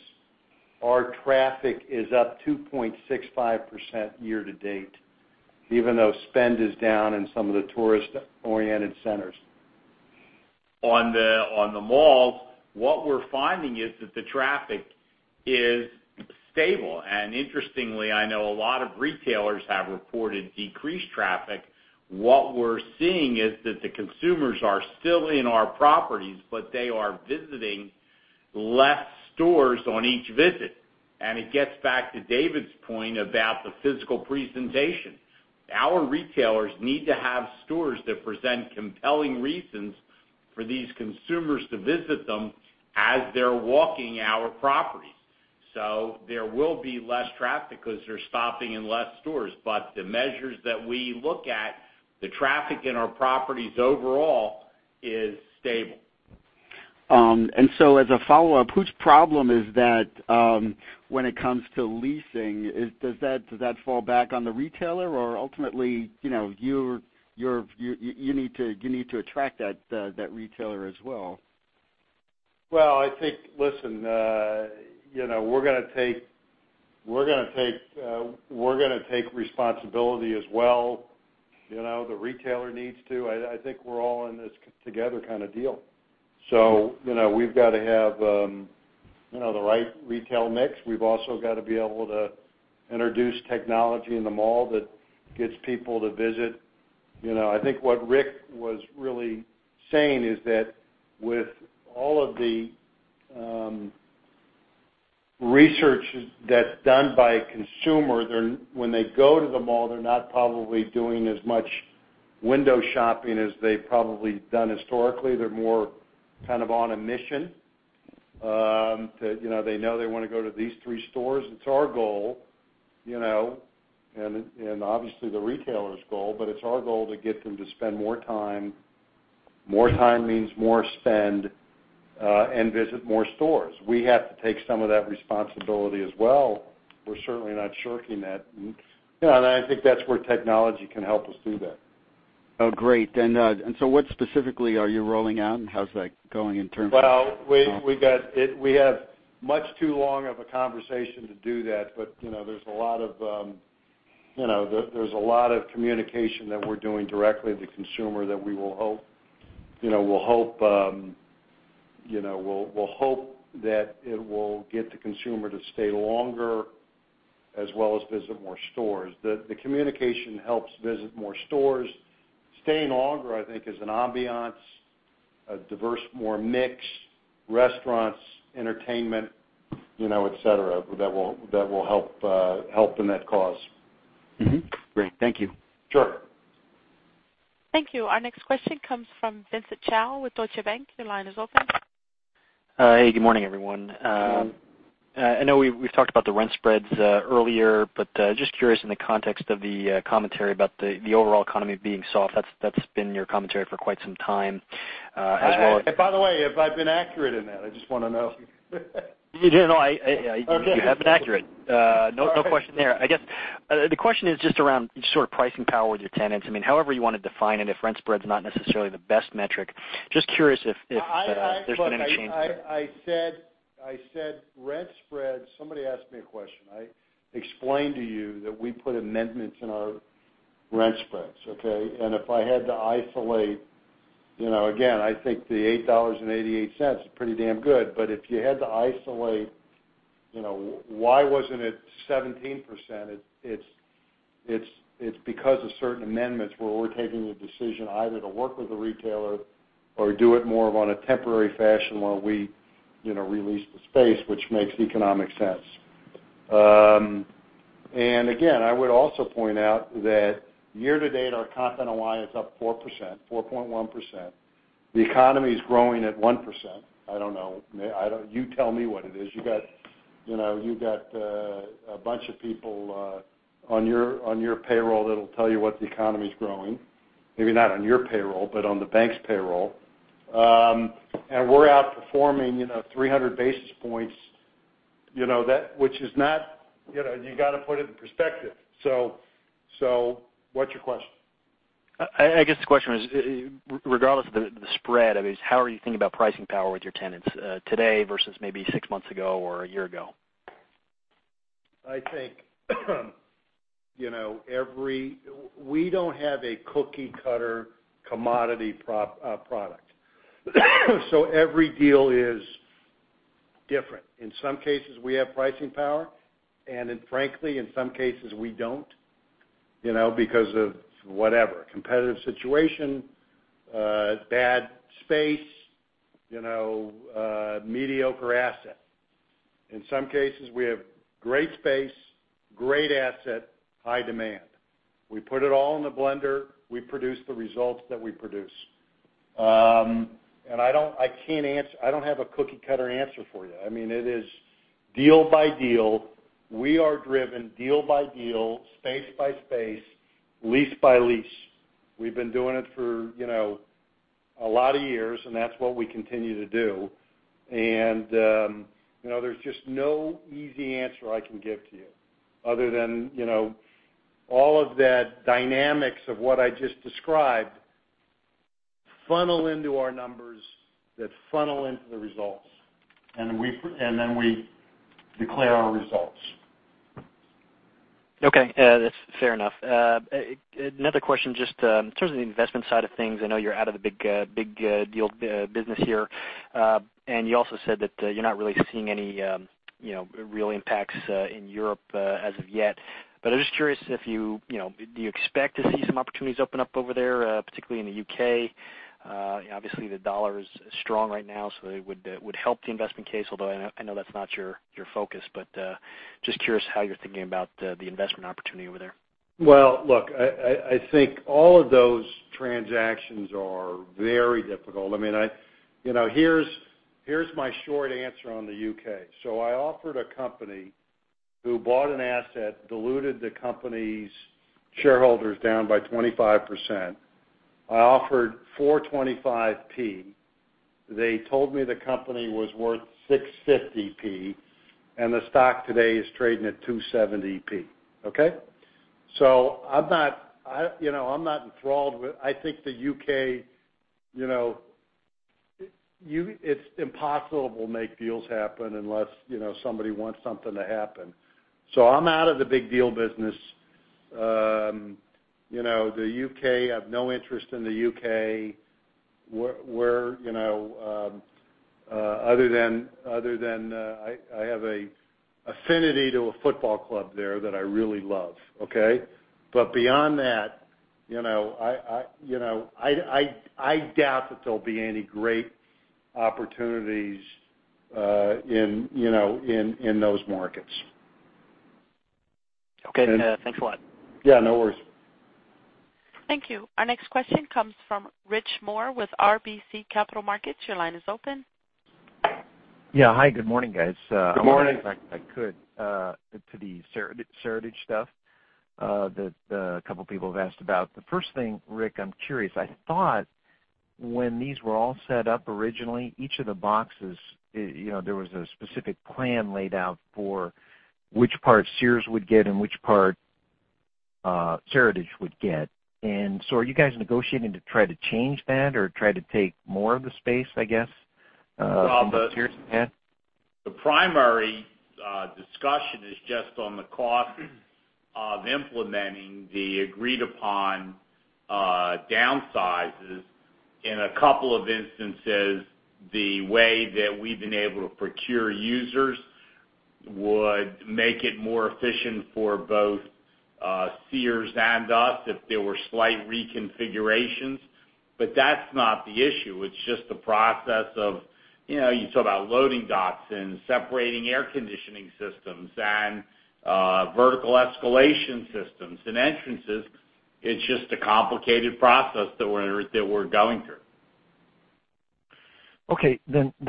our traffic is up 2.65% year to date, even though spend is down in some of the tourist-oriented centers. On the malls, what we're finding is that the traffic is stable. Interestingly, I know a lot of retailers have reported decreased traffic. What we're seeing is that the consumers are still in our properties, but they are visiting less stores on each visit. It gets back to David's point about the physical presentation. Our retailers need to have stores that present compelling reasons for these consumers to visit them as they're walking our properties. There will be less traffic because they're stopping in less stores. The measures that we look at, the traffic in our properties overall is stable. As a follow-up, whose problem is that when it comes to leasing? Does that fall back on the retailer, or ultimately, you need to attract that retailer as well? Well, I think, listen, we're going to take responsibility as well. The retailer needs to. I think we're all in this together kind of deal. We've got to have the right retail mix. We've also got to be able to introduce technology in the mall that gets people to visit. I think what Rick was really saying is that with all of the research that's done by a consumer, when they go to the mall, they're not probably doing as much window shopping as they've probably done historically. They're more kind of on a mission. They know they want to go to these three stores. It's our goal, and obviously the retailer's goal, but it's our goal to get them to spend more time. More time means more spend and visit more stores. We have to take some of that responsibility as well. We're certainly not shirking that. I think that's where technology can help us do that. Oh, great. What specifically are you rolling out, and how's that going in terms of- Well, we have much too long of a conversation to do that. There's a lot of communication that we're doing directly to consumer that we'll hope that it will get the consumer to stay longer As well as visit more stores. The communication helps visit more stores. Staying longer, I think, is an ambiance, a diverse, more mix, restaurants, entertainment, et cetera, that will help in that cause. Great. Thank you. Sure. Thank you. Our next question comes from Vincent Chao with Deutsche Bank. Your line is open. Hey, good morning, everyone. Good morning. I know we've talked about the rent spreads earlier, but just curious in the context of the commentary about the overall economy being soft. That's been your commentary for quite some time. By the way, have I been accurate in that? I just want to know. You have been accurate. All right. No question there. I guess, the question is just around sort of pricing power with your tenants. However you want to define it, if rent spread's not necessarily the best metric. Just curious if there's been any change there. I said rent spreads. Somebody asked me a question. I explained to you that we put amendments in our rent spreads, okay? If I had to isolate, again, I think the $8.88 is pretty damn good, but if you had to isolate why wasn't it 17%, it's because of certain amendments where we're taking the decision either to work with the retailer or do it more on a temporary fashion where we release the space, which makes economic sense. Again, I would also point out that year-to-date, our comp NOI is up 4%, 4.1%. The economy's growing at 1%. I don't know. You tell me what it is. You've got a bunch of people on your payroll that'll tell you what the economy's growing. Maybe not on your payroll, but on the bank's payroll. We're outperforming 300 basis points, you got to put it in perspective. What's your question? I guess the question is, regardless of the spread, how are you thinking about pricing power with your tenants today versus maybe six months ago or a year ago? I think, we don't have a cookie cutter commodity product. Every deal is different. In some cases, we have pricing power, and frankly, in some cases, we don't, because of whatever, competitive situation, bad space, mediocre asset. In some cases, we have great space, great asset, high demand. We put it all in the blender, we produce the results that we produce. I don't have a cookie cutter answer for you. It is deal by deal. We are driven deal by deal, space by space, lease by lease. We've been doing it for a lot of years, and that's what we continue to do. There's just no easy answer I can give to you other than all of that dynamics of what I just described funnel into our numbers, that funnel into the results. Then we declare our results. Okay. That's fair enough. Another question, just in terms of the investment side of things, I know you're out of the big deal business here. You also said that you're not really seeing any real impacts in Europe as of yet. I'm just curious, do you expect to see some opportunities open up over there, particularly in the U.K.? Obviously, the dollar is strong right now, so it would help the investment case, although I know that's not your focus, but just curious how you're thinking about the investment opportunity over there. Well, look, I think all of those transactions are very difficult. Here's my short answer on the U.K. I offered a company who bought an asset, diluted the company's shareholders down by 25%. I offered 4.25. They told me the company was worth 6.50, and the stock today is trading at 2.70. Okay? I'm not enthralled with I think the U.K., it's impossible to make deals happen unless somebody wants something to happen. I'm out of the big deal business. The U.K., I have no interest in the U.K., other than I have a affinity to a football club there that I really love, okay? Beyond that, I doubt that there'll be any great opportunities in those markets. Okay. Thanks a lot. Yeah, no worries. Thank you. Our next question comes from Rich Moore with RBC Capital Markets. Your line is open. Yeah. Hi, good morning, guys. Good morning. If I could, to the Seritage stuff that a couple people have asked about. The first thing, Rick, I'm curious. I thought when these were all set up originally, each of the boxes, there was a specific plan laid out for which part Sears would get and which part Seritage would get. So are you guys negotiating to try to change that or try to take more of the space, I guess, from the Sears pad? The primary discussion is just on the cost Of implementing the agreed-upon downsizes. In a couple of instances, the way that we've been able to procure users would make it more efficient for both Sears and us if there were slight reconfigurations. That's not the issue. It's just the process of, you talk about loading docks and separating air conditioning systems and vertical escalation systems and entrances. It's just a complicated process that we're going through. Okay.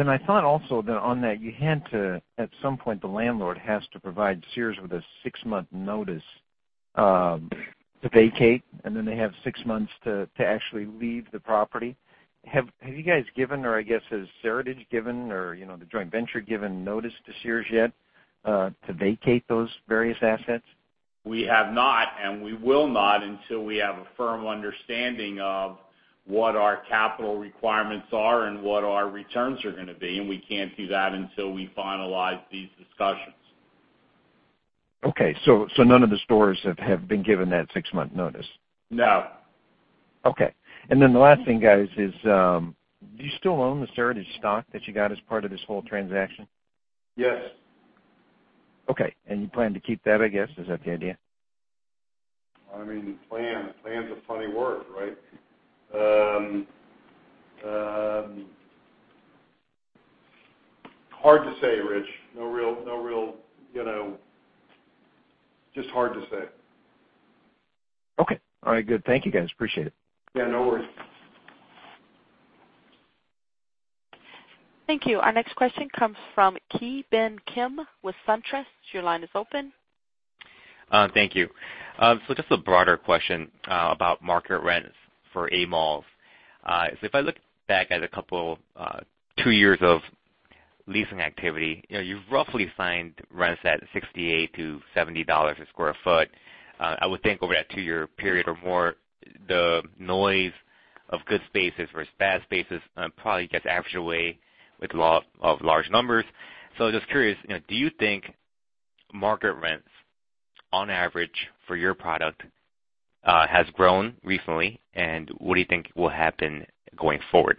I thought also that on that, you had to, at some point, the landlord has to provide Sears with a six-month notice, to vacate, and they have six months to actually leave the property. Have you guys given, or I guess has Seritage given or the joint venture given notice to Sears yet to vacate those various assets? We have not, we will not until we have a firm understanding of what our capital requirements are and what our returns are going to be. We can't do that until we finalize these discussions. Okay. None of the stores have been given that six-month notice? No. Okay. The last thing, guys, is, do you still own the Seritage stock that you got as part of this whole transaction? Yes. Okay. You plan to keep that, I guess? Is that the idea? Plan's a funny word, right? Hard to say, Rich. Just hard to say. Okay. All right, good. Thank you, guys. Appreciate it. Yeah, no worries. Thank you. Our next question comes from Ki Bin Kim with SunTrust. Your line is open. Thank you. Just a broader question about market rents for A malls. If I look back at a couple two years of leasing activity, you've roughly signed rents at $68-$70 a square foot. I would think over that two-year period or more, the noise of good spaces versus bad spaces probably gets averaged away with lot of large numbers. I'm just curious, do you think market rents on average for your product has grown recently, and what do you think will happen going forward?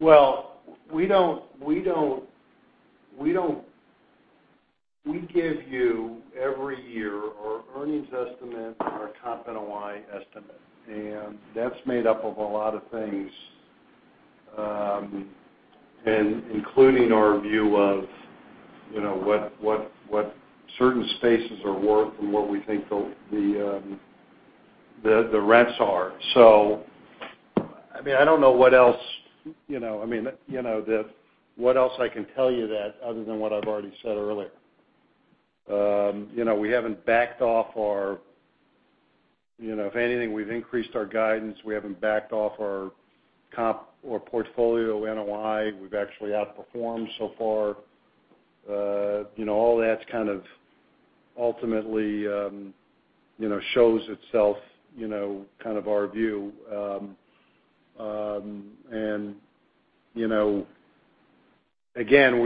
Well, we give you every year our earnings estimate and our comp NOI estimate. That's made up of a lot of things, including our view of what certain spaces are worth and what we think the rents are. I don't know what else I can tell you other than what I've already said earlier. If anything, we've increased our guidance. We haven't backed off our comp or portfolio NOI. We've actually outperformed so far. All that kind of ultimately shows itself, kind of our view. Again,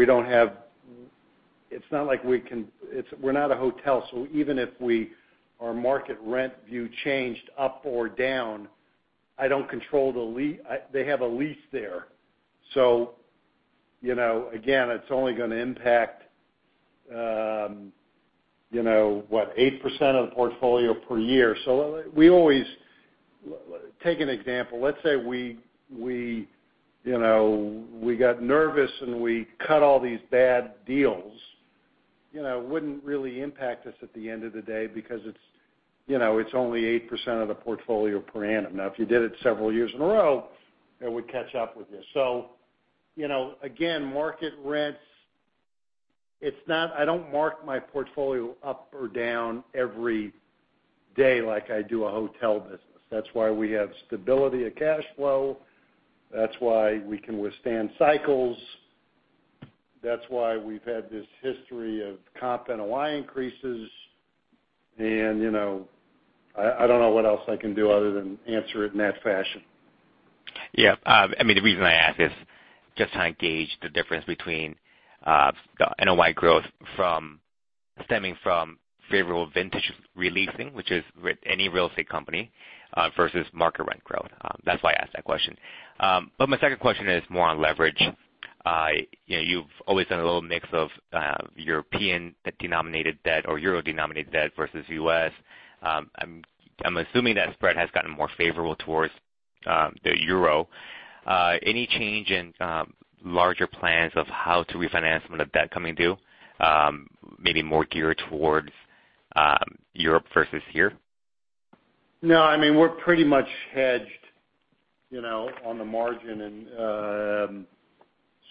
we're not a hotel, even if our market rent view changed up or down, I don't control the lease. They have a lease there. Again, it's only going to impact what, 8% of the portfolio per year. Take an example. Let's say we got nervous and we cut all these bad deals. Wouldn't really impact us at the end of the day because it's only 8% of the portfolio per annum. Now, if you did it several years in a row, it would catch up with you. Again, market rents, I don't mark my portfolio up or down every day like I do a hotel business. That's why we have stability of cash flow. That's why we can withstand cycles. That's why we've had this history of comp NOI increases. I don't know what else I can do other than answer it in that fashion. Yeah. The reason I ask is just how to gauge the difference between the NOI growth stemming from favorable vintage re-leasing, which is with any real estate company, versus market rent growth. That's why I asked that question. My second question is more on leverage. You've always done a little mix of European denominated debt, or EUR denominated debt versus U.S. I'm assuming that spread has gotten more favorable towards the EUR. Any change in larger plans of how to refinance some of the debt coming due, maybe more geared towards Europe versus here? No, we're pretty much hedged on the margin.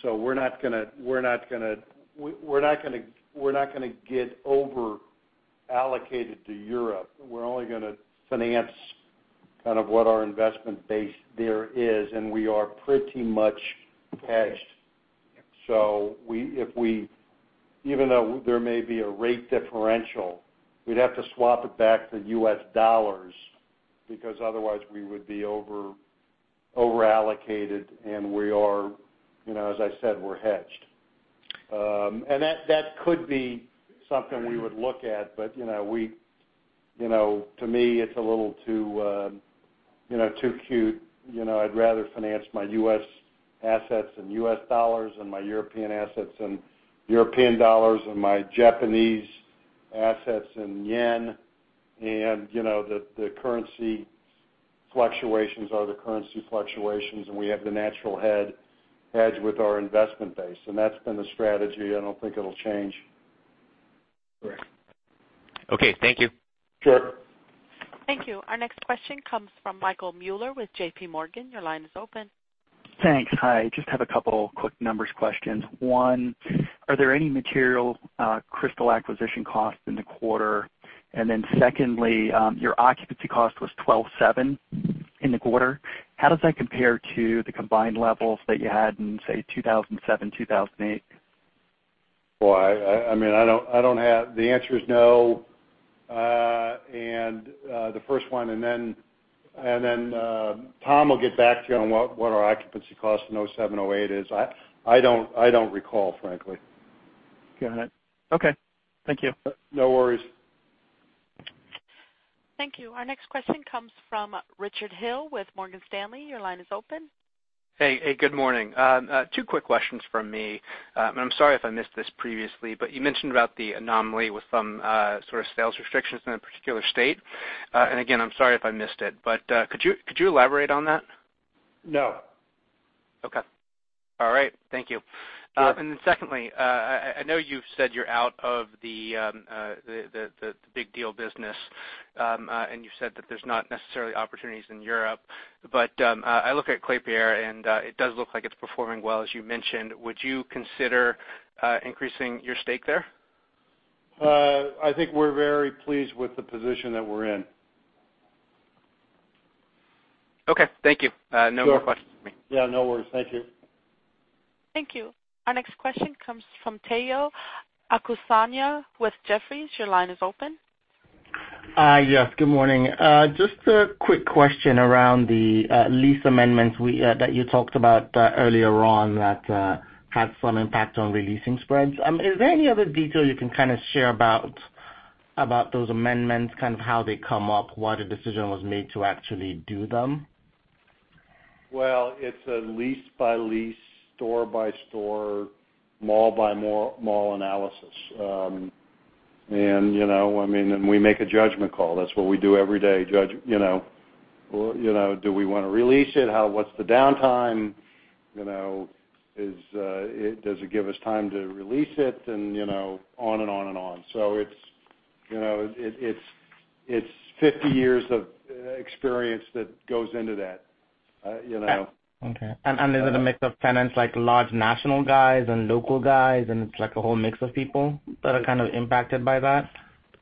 We're not going to get over-allocated to Europe. We're only going to finance kind of what our investment base there is, and we are pretty much hedged. Even though there may be a rate differential, we'd have to swap it back to U.S. dollars, because otherwise we would be over- Over-allocated, as I said, we're hedged. That could be something we would look at, but to me, it's a little too cute. I'd rather finance my U.S. assets in U.S. dollars and my European assets in EUR and my Japanese assets in JPY. The currency fluctuations are the currency fluctuations, and we have the natural hedge with our investment base. That's been the strategy. I don't think it'll change. Great. Okay. Thank you. Sure. Thank you. Our next question comes from Michael Mueller with JPMorgan. Your line is open. Thanks. Hi. Just have a couple quick numbers questions. One, are there any material Crystals acquisition costs in the quarter? Secondly, your occupancy cost was 12.7% in the quarter. How does that compare to the combined levels that you had in, say, 2007, 2008? Boy, the answer is no. The first one, and then Tom will get back to you on what our occupancy cost in 2007, 2008 is. I don't recall, frankly. Got it. Okay. Thank you. No worries. Thank you. Our next question comes from Richard Hill with Morgan Stanley. Your line is open. Hey. Good morning. Two quick questions from me. I'm sorry if I missed this previously, but you mentioned about the anomaly with some sort of sales restrictions in a particular state. Again, I'm sorry if I missed it, but could you elaborate on that? No. Okay. All right. Thank you. Sure. Secondly, I know you've said you're out of the big deal business, and you've said that there's not necessarily opportunities in Europe. I look at Klépierre, and it does look like it's performing well, as you mentioned. Would you consider increasing your stake there? I think we're very pleased with the position that we're in. Okay. Thank you. Sure. No more questions for me. No worries. Thank you. Thank you. Our next question comes from Omotayo Okusanya with Jefferies. Your line is open. Good morning. Just a quick question around the lease amendments that you talked about earlier on that had some impact on releasing spreads. Is there any other detail you can kind of share about those amendments, kind of how they come up, why the decision was made to actually do them? Well, it's a lease-by-lease, store-by-store, mall-by-mall analysis. We make a judgment call. That's what we do every day, judge do we want to release it? What's the downtime? Does it give us time to release it? On and on and on. It's 50 years of experience that goes into that. Okay. Is it a mix of tenants, like large national guys and local guys, and it's like a whole mix of people that are kind of impacted by that?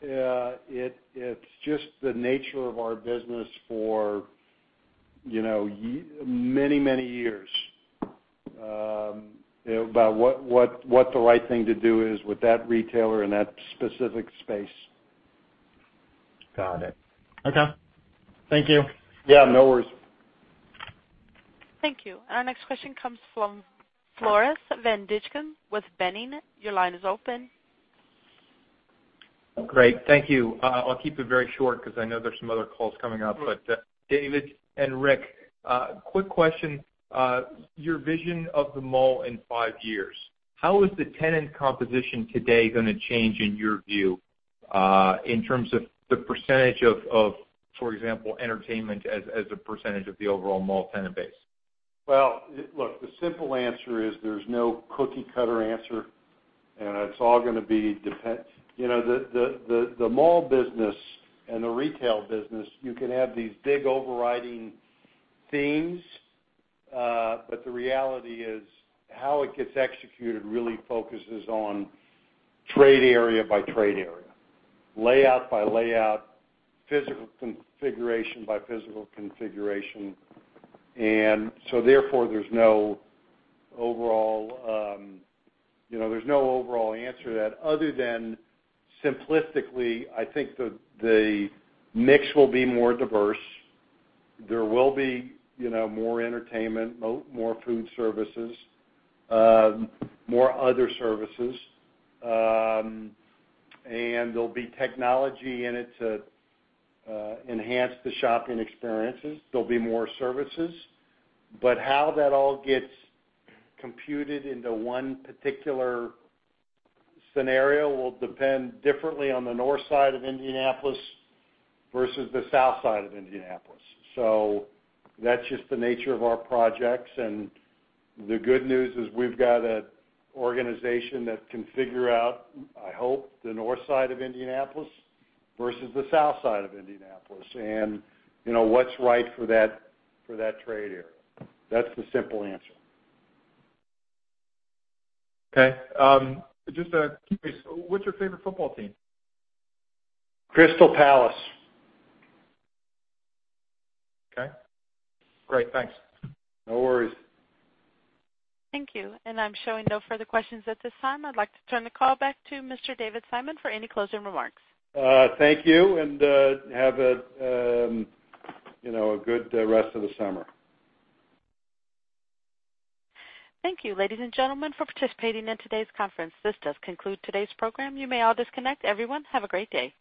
It's just the nature of our business for many, many years, about what the right thing to do is with that retailer and that specific space. Got it. Okay. Thank you. Yeah, no worries. Thank you. Our next question comes from Floris van Dijkum with Boenning & Scattergood. Your line is open. Great. Thank you. I'll keep it very short because I know there's some other calls coming up. Sure. David and Rick, quick question. Your vision of the mall in five years, how is the tenant composition today going to change, in your view, in terms of the percentage of, for example, entertainment as a percentage of the overall mall tenant base? Well, look, the simple answer is there's no cookie cutter answer. The mall business and the retail business, you can have these big overriding themes, but the reality is how it gets executed really focuses on trade area by trade area, layout by layout, physical configuration by physical configuration. Therefore, there's no overall answer to that other than simplistically, I think the mix will be more diverse. There will be more entertainment, more food services, more other services, and there'll be technology in it to enhance the shopping experiences. There'll be more services. How that all gets computed into one particular scenario will depend differently on the north side of Indianapolis versus the south side of Indianapolis. That's just the nature of our projects. The good news is we've got an organization that can figure out, I hope, the north side of Indianapolis versus the south side of Indianapolis, and what's right for that trade area. That's the simple answer. Okay. Just curious, what's your favorite football team? Crystal Palace. Okay. Great. Thanks. No worries. Thank you. I'm showing no further questions at this time. I'd like to turn the call back to Mr. David Simon for any closing remarks. Thank you, and have a good rest of the summer. Thank you, ladies and gentlemen, for participating in today's conference. This does conclude today's program. You may all disconnect. Everyone, have a great day.